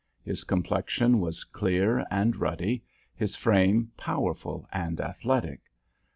His complexion was clear and ruddy; his frame powerful and athletic.